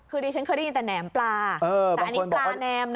คือดิฉันเคยได้ยินแต่แหนมปลาแต่อันนี้ปลาแนมนะ